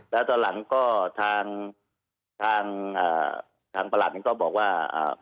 แล้วตอนหลังก็ทางทางประหลัดนี้ก็บอกว่า